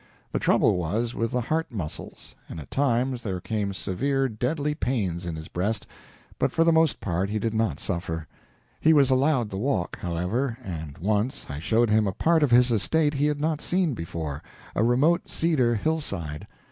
The trouble was with the heart muscles, and at times there came severe deadly pains in his breast, but for the most part he did not suffer. He was allowed the walk, however, and once I showed him a part of his estate he had not seen before a remote cedar hillside.